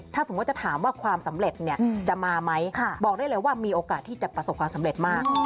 ถ้าสมมุติจะถามว่าความสำเร็จเนี่ยจะมาไหมบอกได้เลยว่ามีโอกาสที่จะประสบความสำเร็จมาก